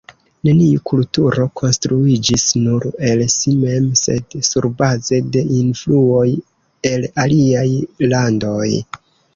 Neniu kulturo konstruiĝis nur el si mem, sed surbaze de influoj el aliaj landoj.